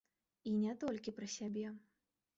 І не толькі пра сябе.